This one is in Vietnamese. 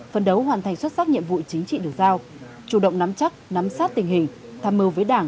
phân đấu hoàn thành xuất sắc nhiệm vụ chính trị được giao chủ động nắm chắc nắm sát tình hình tham mưu với đảng